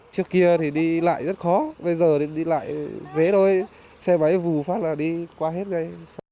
trước kia thì đi lại rất khó bây giờ thì đi lại dễ thôi xe váy vù phát là đi qua hết đây